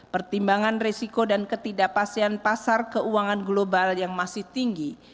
pertimbangan risiko dan ketidakpastian pasar keuangan global yang masih tinggi